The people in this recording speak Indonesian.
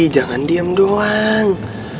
jangan diam doang